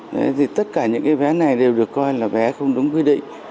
đấy thì tất cả những cái vé này đều được coi là vé không đúng quy định